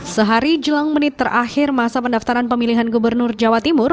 sehari jelang menit terakhir masa pendaftaran pemilihan gubernur jawa timur